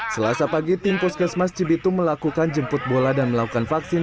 selasa pagi tim puskesmas cibitung melakukan jemput bola dan melakukan vaksin